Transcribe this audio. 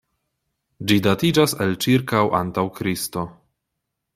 Ĝi datiĝas el ĉirkaŭ antaŭ Kristo.